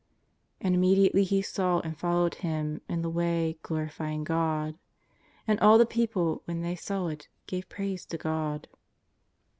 And immediately he saw and followed Him in the way glorifying God. And all the people, when they saw it, gave praise to Ged.